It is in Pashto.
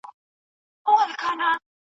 خزان یې مه کړې الهي تازه ګلونه